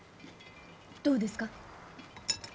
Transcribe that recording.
どうですか？